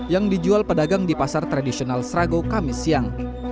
yang dijual pedagang di pasar tradisional srago kamis siang